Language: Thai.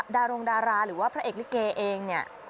ดารงดาราหรือว่าพระเอกลิเกเองเนี่ย